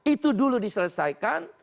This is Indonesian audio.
itu dulu diselesaikan